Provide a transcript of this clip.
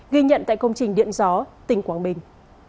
ghi nhận tại công trình điện gió tỉnh quảng bình